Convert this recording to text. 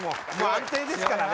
安定ですからね。